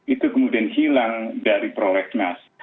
itu kemudian hilang dari prolegnas